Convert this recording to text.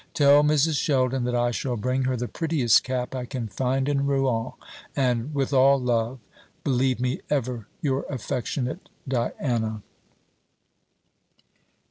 Tell Mrs. Sheldon that I shall bring her the prettiest cap I can find in Rouen; and, with all love, believe me ever your affectionate DIANA.